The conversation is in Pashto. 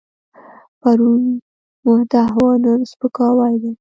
پرون مدح وه، نن سپکاوی دی.